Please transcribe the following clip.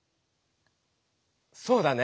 そうだね。